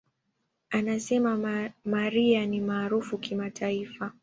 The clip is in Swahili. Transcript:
Anasema, "Mariah ni maarufu kimataifa.